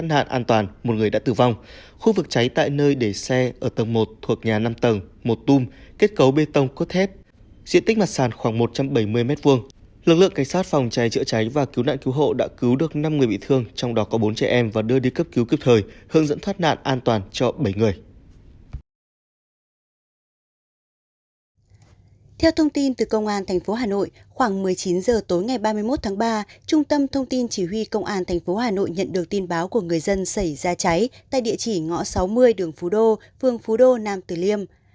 theo thông tin từ công an tp hà nội khoảng một mươi chín h tối ngày ba mươi một tháng ba trung tâm thông tin chỉ huy công an tp hà nội nhận được tin báo của người dân xảy ra cháy tại địa chỉ ngõ sáu mươi đường phú đô phương phú đô nam tử liêm